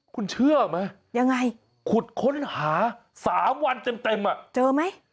คุณเชื่อมั้ยคุดค้นหา๓วันเต็มอ่ะเจอมั้ย